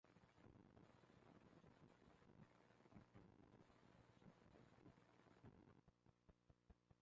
Allí, hizo un estudio extenso e importante sobre las antropología de Yao y Dong.